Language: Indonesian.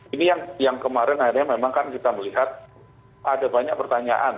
ini yang kemarin akhirnya memang kan kita melihat ada banyak pertanyaan